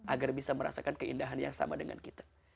agar bisa merasakan keindahan yang sama dengan kita